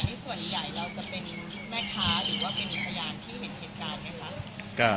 หรือว่าเป็นอีกพยานที่เห็นเหตุการณ์ไหมคะ